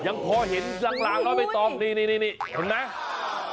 ยังพอเห็นหลังเขาไปตอบนี่นี่เห็นไหม